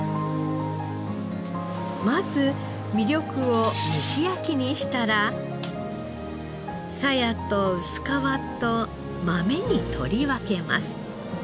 まず味緑を蒸し焼きにしたらさやと薄皮と豆に取り分けます。